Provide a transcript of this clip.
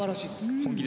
本気で。